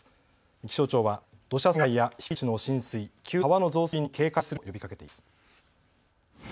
気象庁は土砂災害や低い土地の浸水、急な川の増水に警戒するよう呼びかけています。